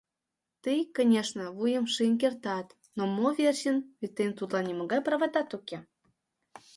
Тый, конешне, вуйым шийын кертат, но мо верчын, вет тыйын тудлан нимогай праватат уке.